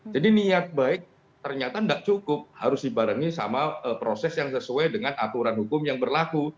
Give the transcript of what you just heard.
jadi niat baik ternyata tidak cukup harus dibarengi sama proses yang sesuai dengan aturan hukum yang berlaku